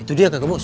itu dia kakak bos